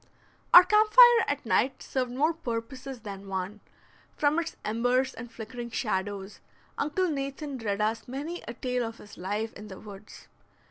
Our camp fire at night served more purposes than one; from its embers and flickering shadows, Uncle Nathan read us many a tale of his life in the woods.